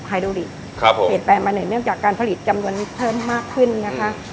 ครับผมเสร็จแปลงมาหน่อยเนื่องจากการผลิตจำนวนเพิ่มมากขึ้นนะคะ